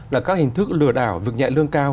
là các hình thức lừa đảo vực nhạy lương cao